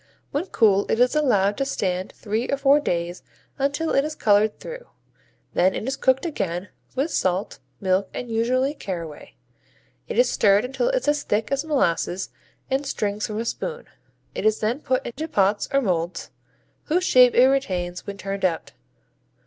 When cool it is allowed to stand three or four days until it is colored through. Then it is cooked again with salt, milk, and usually caraway. It is stirred until it's as thick as molasses and strings from a spoon. It is then put into pots or molds, whose shape it retains when turned out.